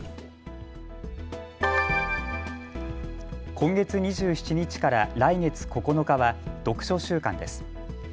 今月２７日から来月９日は読書週間です。